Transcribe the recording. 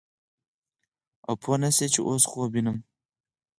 او پوه نه سې چې اوس خوب وينم.